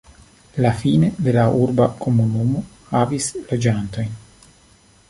La Fine de la urba komunumo havis loĝantojn.